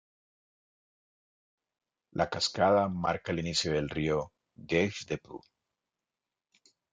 La cascada marca el inicio del río Gave de Pau.